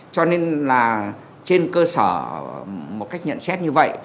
cho nên là trên cơ sở một cách nhận xét như vậy